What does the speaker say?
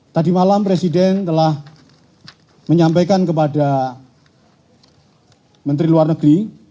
tadi malam presiden telah menyampaikan kepada menteri luar negeri